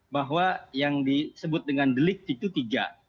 bahwa yang disebut dengan delik itu tiga